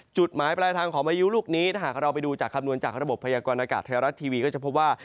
จุดหมายปลายทางของพายุลูกนี้ถ้าหากเราไปดูจากคำนวณจากระบบพยากรณากาศไทยรัฐทีวีก็จะพบว่า